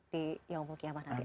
di yaumul kiamat nanti